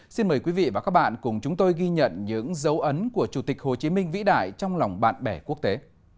xin mời quý vị và các bạn cùng chúng tôi ghi nhận những dấu ấn của chủ tịch hồ chí minh vĩ đại trong lòng bạn bè quốc tế